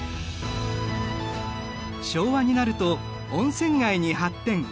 昭和になると温泉街に発展。